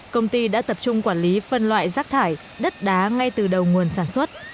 công ty đã tập trung quản lý phân loại rác thải đất đá ngay từ đầu nguồn sản xuất